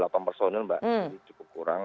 delapan personil mbak jadi cukup kurang